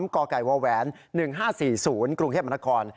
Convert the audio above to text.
ก่อไก่วาวแหวน๑๕๔๐กรุงเทพฯมนคร